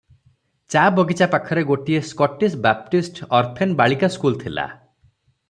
ଚା ବଗିଚା ପାଖରେ ଗୋଟିଏ ସ୍କଟିଶ୍ ବ୍ୟାପଟିଷ୍ଟ ଅର୍ଫେନ ବାଳିକା ସ୍କୁଲ ଥିଲା ।